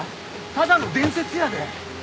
ただの伝説やで！